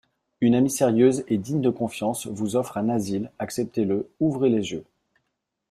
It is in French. Une amie sérieuse et digne de confiance vous offre un asile, acceptez-le, ouvrez les yeux.